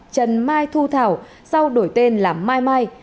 trần mai thu thảo sau đổi tên là mai mai